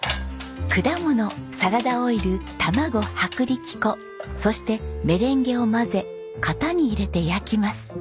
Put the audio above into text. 果物サラダオイル卵薄力粉そしてメレンゲを混ぜ型に入れて焼きます。